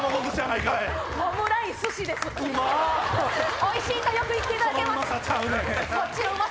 おいしいと言っていただけます。